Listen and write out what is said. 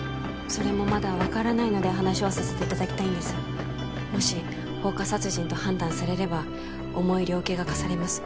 それもまだ分からないので話をさせていただきたいんですもし放火殺人と判断されれば重い量刑が科されます